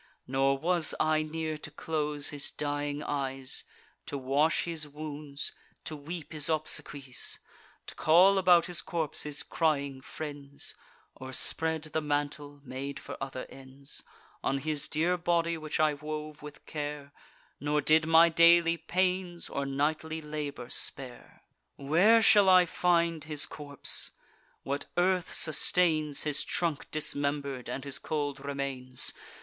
Nor was I near to close his dying eyes, To wash his wounds, to weep his obsequies, To call about his corpse his crying friends, Or spread the mantle (made for other ends) On his dear body, which I wove with care, Nor did my daily pains or nightly labour spare. Where shall I find his corpse? what earth sustains His trunk dismember'd, and his cold remains?